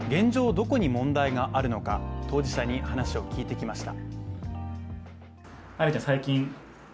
どこに問題があるのか、当事者に話を聞いてきました。